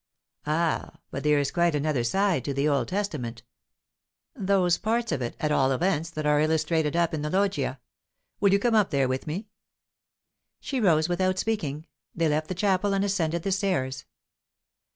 "Ah, but there is quite another side to the Old Testament those parts of it, at all events, that are illustrated up in the Loggia. Will you come up there with me?" She rose without speaking. They left the chapel, and ascended the stairs.